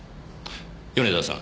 米沢さん。